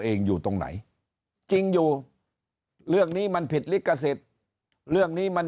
อยู่ตรงไหนจริงอยู่เรื่องนี้มันผิดลิขสิทธิ์เรื่องนี้มัน